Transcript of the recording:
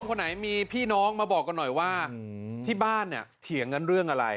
คนไหนมีพี่น้องมาบอกกันหน่อยว่าที่บ้านเนี่ยเถียงกันเรื่องอะไร